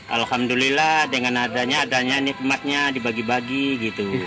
alhamdulillah dengan adanya adanya nikmatnya dibagi bagi gitu